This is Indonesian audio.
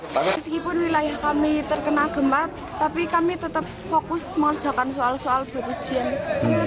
kami terkena gemat tapi kami tetap fokus mengerjakan soal soal buat ujian